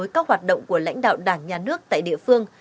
các hoạt động của lãnh đạo đảng nhà nước tại địa phương